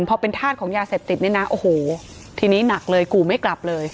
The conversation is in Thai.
พอเป็นธาตุของยาเสพติดเนี่ยนะโอ้โหทีนี้หนักเลยกูไม่กลับเลย